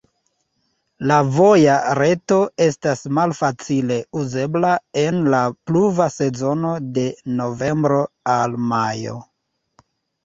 La voja reto estas malfacile uzebla en la pluva sezono de novembro al majo.